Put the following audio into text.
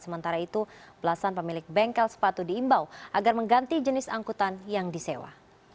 sementara itu belasan pemilik bengkel sepatu diimbau agar mengganti jenis angkutan yang disewa